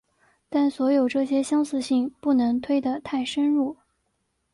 但所有这些相似性不能推得太深入。